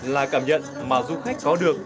là cảm nhận mà du khách có được